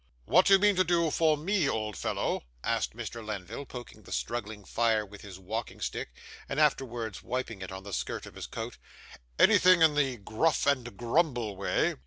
'What do you mean to do for me, old fellow?' asked Mr. Lenville, poking the struggling fire with his walking stick, and afterwards wiping it on the skirt of his coat. 'Anything in the gruff and grumble way?